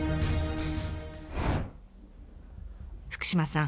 福島さん